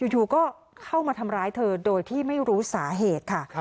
อยู่ก็เข้ามาทำร้ายเธอโดยที่ไม่รู้สาเหตุค่ะ